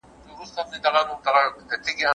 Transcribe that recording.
زه پرون درسونه ولوستل!